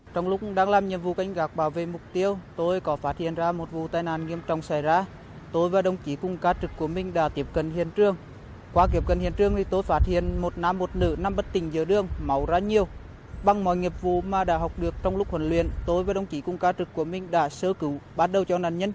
trong khi làm nhiệm vụ việc kiểm tra xử lý các tình huống bất ngờ trong mỗi ca trực